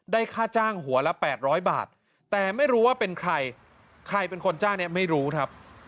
ค่าจ้างหัวละ๘๐๐บาทแต่ไม่รู้ว่าเป็นใครใครเป็นคนจ้างเนี่ยไม่รู้ครับ